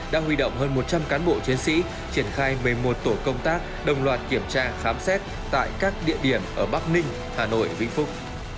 đã huy động hơn một trăm linh cán bộ chiến sĩ triển khai một mươi một tổ công tác đồng loạt kiểm tra khám xét tại các địa điểm ở bắc ninh hà nội vĩnh phúc